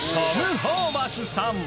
ホーバスさんは。